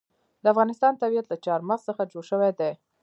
د افغانستان طبیعت له چار مغز څخه جوړ شوی دی.